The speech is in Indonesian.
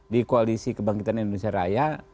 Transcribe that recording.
di koalisi kebangkitan indonesia raya